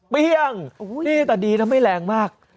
เปี้ยงนี่แต่ดีนะไม่แรงมาก